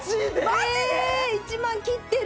ええ１万切ってる！